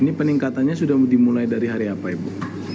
ini peningkatannya sudah dimulai dari hari apa ibu